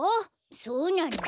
そうなの？